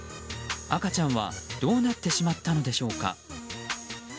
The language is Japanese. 赤ちゃんはどうなってしまったのでしょうか。